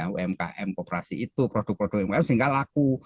umkm kooperasi itu produk produk umkm sehingga laku